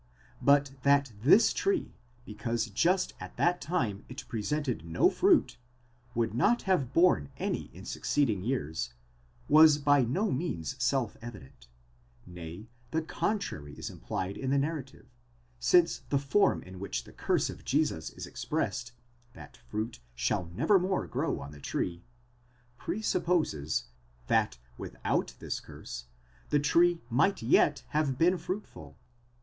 But that this tree, because just at that time it presented no fruit, would not have borne any in succeeding years, was by no means self evident :—nay, the contrary is implied in the narrative, since the form in which the curse of Jesus is expressed, that fruit shall never more grow on the tree, presupposes, that without this curse the tree might yet have been fruitful.